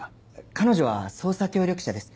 彼女は捜査協力者です。